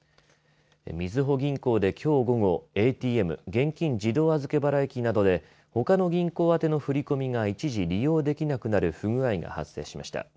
みずほ銀行で、きょう午後ＡＴＭ現金自動預け払い機などでほかの銀行宛ての振り込みが一時利用できなくなる不具合が発生しました。